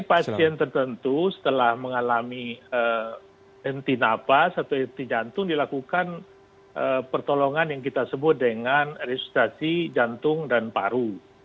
pasien tertentu setelah mengalami henti napas atau henti jantung dilakukan pertolongan yang kita sebut dengan resutasi jantung dan paru